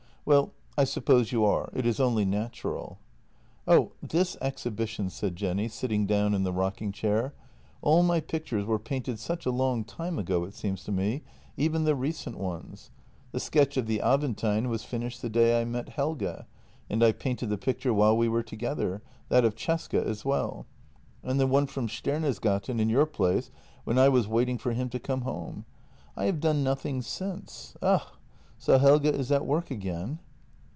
" Well, I suppose you are; it is only natural." " Oh, this exhibition," said Jenny, sitting down in the rock ing chair —" all my pictures were painted such a long time ago, it seems to me, even the recent ones. The sketch of the Aventine was finished the day I met Helge, and I painted the picture while we were together — that of Cesca as well. And the one from Stenersgaten in your place, while I was waiting for him to come home. I have done nothing since. Ugh! So Helge is at work again